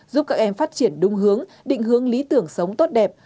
giúp các em phát triển đúng hướng định hướng lý tưởng sống tốt đẹp